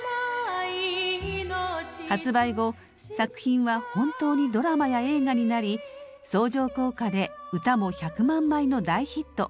発売後作品は本当にドラマや映画になり相乗効果で歌も１００万枚の大ヒット。